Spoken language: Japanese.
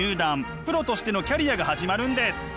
プロとしてのキャリアが始まるんです。